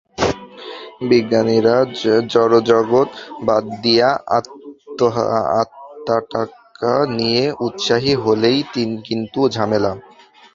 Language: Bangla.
বিজ্ঞানীরা জড়জগৎ বাদ দিয়ে আত্মাটাত্মা নিয়ে উৎসাহী হলেই কিন্তু ঝামেলা।